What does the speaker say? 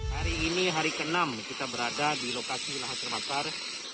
hari ini hari ke enam kita berada di lokasi lahan terbakar